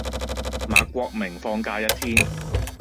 馬國明放假一天